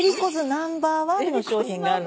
ナンバーワンの商品があるの。